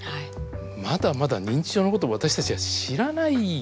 まだまだ認知症のことを私たちは知らないですね。